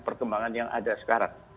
perkembangan yang ada sekarang